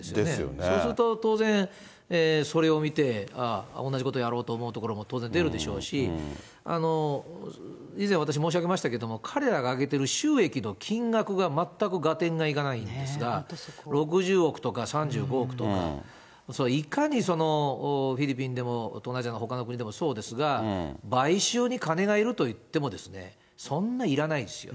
そうすると当然、それを見て、ああ、同じことやろうと思うところも当然出るでしょうし、以前、私申し上げましたけれども、彼らがあげてる収益の金額が全く合点がいかないんですが、６０億とか、３５億とか、いかにそのフィリピンでも東南アジアのほかの国でもそうですが、買収に金がいるといってもですね、そんないらないですよ。